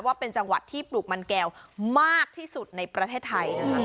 ว่าเป็นจังหวัดที่ปลูกมันแก้วมากที่สุดในประเทศไทยนะคะ